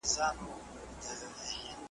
ده د پښتو ادب هر اړخ غني کړ